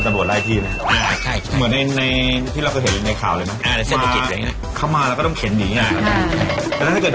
จำวิชาพูดหนึ่ง